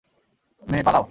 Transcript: মে, পালাও।